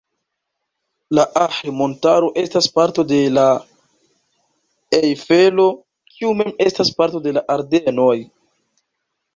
La Ahr-montaro estas parto de la Ejfelo, kiu mem estas parto de la Ardenoj.